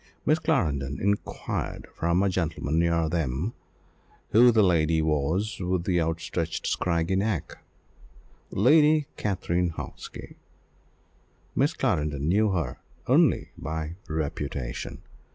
Miss Clarendon inquired from a gentleman near them, who the lady was with the outstretched scraggy neck Lady Katrine Hawksby. Miss Clarendon knew her only by reputation.